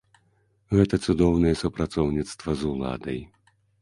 Гэта цудоўнае супрацоўніцтва з уладай.